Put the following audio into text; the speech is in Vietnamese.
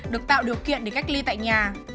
được tạo điều kiện để cách ly tại nhà